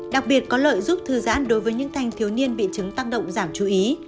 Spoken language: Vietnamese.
đặc biệt có lợi giúp thư giãn đối với những thanh thiếu niên bị chứng tăng động giảm chú ý